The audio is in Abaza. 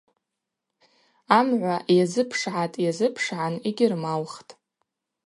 Амгӏва йазыпшгӏатӏ-йазыпшгӏан – йгьырмаухтӏ.